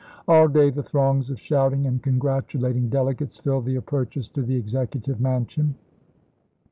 All day the throngs of shouting and congratulating delegates filled the approaches to the Executive Mansion.